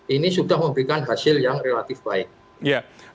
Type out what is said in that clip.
ini sudah memberikan hasil yang relatif baik